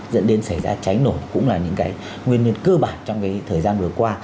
dẫn đến xảy ra cháy nổ cũng là những cái nguyên nhân cơ bản trong cái thời gian vừa qua